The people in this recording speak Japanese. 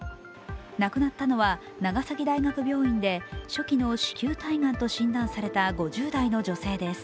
亡くなったのは長崎大学病院で初期の子宮体がんと診断された５０代の女性です。